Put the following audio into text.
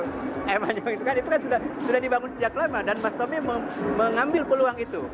itu kan sudah dibangun sejak lama dan mas tommy mengambil peluang itu